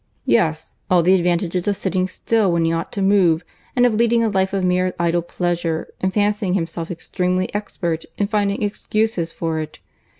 "Yes; all the advantages of sitting still when he ought to move, and of leading a life of mere idle pleasure, and fancying himself extremely expert in finding excuses for it.